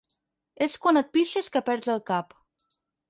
És quan et pixes que perds el cap.